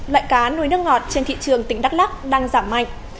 loại cá nuôi nước ngọt trên thị trường tỉnh đắk lắc đang giảm mạnh